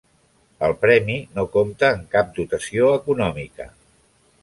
El premi no compta amb cap dotació econòmica.